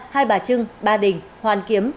hai bà trưng ba đỉnh hoàn kiếm